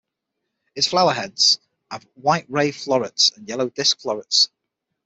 Its flower heads have white ray florets and yellow disc florets.